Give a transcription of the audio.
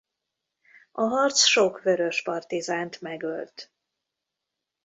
A harc sok vörös partizánt megölt.